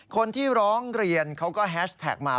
คนที่ร้องเรียนเขาก็แฮชแท็กมา